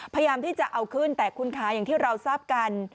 พยายามที่จะเอาขึ้นแต่คุณคะอย่างที่เราทราบกัน